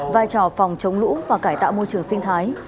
vai trò phòng chống lũ và cải tạo môi trường sinh thái